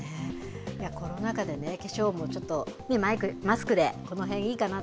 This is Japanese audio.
コロナ禍で化粧もちょっと、マスクでこの辺、いいかなと。